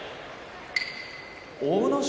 阿武咲